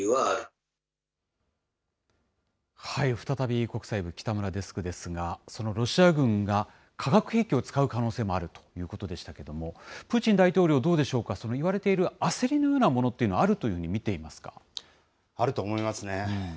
再び、国際部、北村デスクですが、そのロシア軍が化学兵器を使う可能性もあるということでしたけれども、プーチン大統領、どうでしょうか、そのいわれている焦りのようなものというのはあるというように見あると思いますね。